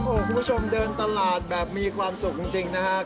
โอ้โหคุณผู้ชมเดินตลาดแบบมีความสุขจริงนะครับ